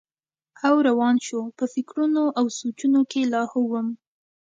او روان شو پۀ فکرونو او سوچونو کښې لاهو وم